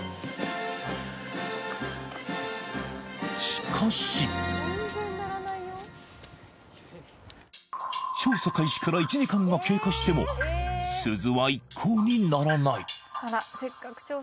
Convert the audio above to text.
しかし調査開始から１時間が経過しても鈴は一向に鳴らない